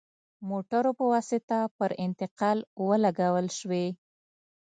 موټرو په واسطه پر انتقال ولګول شوې.